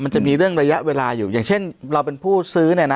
มันจะมีเรื่องระยะเวลาอยู่อย่างเช่นเราเป็นผู้ซื้อ